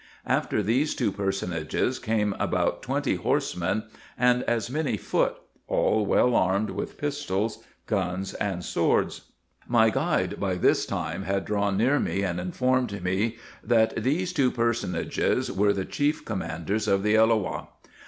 After these two personages came about twenty horsemen and as many foot, all well armed with pistols, guns, and swords. My guide by this time had drawn near me, and informed me that these two personages were the chief commanders of the Eiloah.